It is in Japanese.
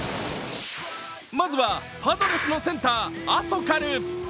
まずはパドレスのセンターアソカル。